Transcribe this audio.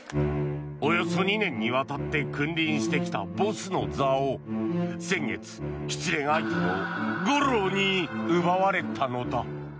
およそ２年にわたって君臨してきたボスの座を先月、失恋相手のゴローに奪われたのだ。